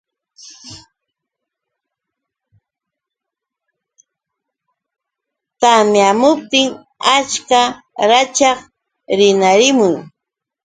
Tamyamuptin achkan rachaq rinarimun.